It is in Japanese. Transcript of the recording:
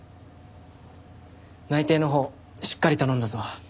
内偵のほうしっかり頼んだぞ。